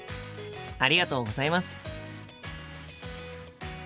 ありがとうございます。